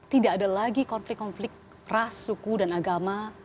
tidak ada lagi konflik konflik ras suku dan agama